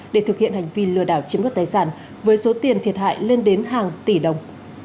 để thực hiện hành vi lừa đảo chiếm đoạt tài sản với số tiền thiệt hại lên đến hàng tỷ đồng